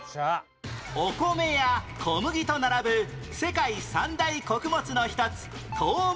お米や小麦と並ぶ世界三大穀物の一つトウモロコシ